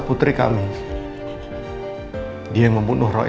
padahal kalian punya banyak kes shay